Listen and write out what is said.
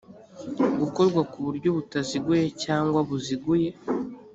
gukorwa ku buryo butaziguye cyangwa buziguye